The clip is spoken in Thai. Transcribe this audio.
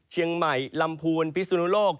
เชียงใหม่ลำพูนพิสุนุโลก